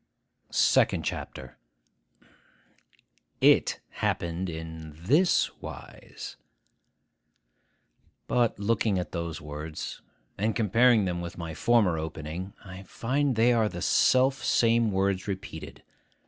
SECOND CHAPTER IT happened in this wise— But, looking at those words, and comparing them with my former opening, I find they are the self same words repeated.